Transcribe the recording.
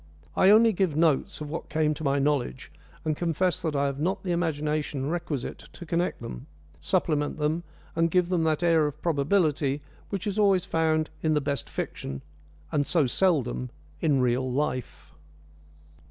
I only give notes of what came to my knowledge, and confess that I have not the imagination requisite to connect them, supplement them, and give them that air of probability which is always found in the best fiction, and so seldom in real life.